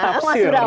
ini kan tafsir